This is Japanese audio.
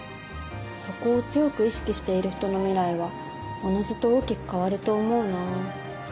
そこを強く意識している人の未来はおのずと大きく変わると思うな。